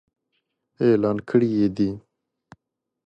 اعلان کړي يې دي.